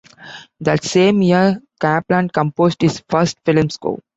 That same year, Kaplan composed his first film score.